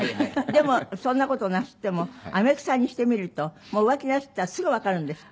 でもそんな事をなすってもあめくさんにしてみると浮気なすったらすぐわかるんですって？